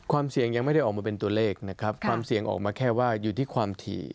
ความเสี่ยงยังไม่ได้ออกมาเป็นตัวเลขนะครับความเสี่ยงออกมาแค่ว่าอยู่ที่ความถี่